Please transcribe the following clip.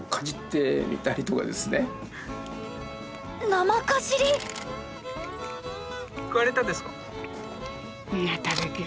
生かじり⁉食われたですか？